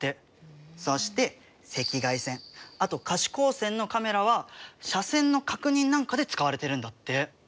そして赤外線あと可視光線のカメラは車線の確認なんかで使われてるんだって。